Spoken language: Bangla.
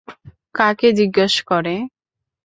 কাকে জিজ্ঞেস করে?